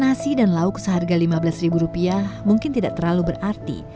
nasi dan lauk seharga lima belas rupiah mungkin tidak terlalu berarti